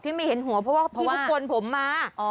ไม่เห็นหัวเพราะว่าพี่เขากวนผมมา